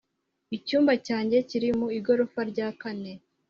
Icyumba cyanjye kiri mu igorofa rya kane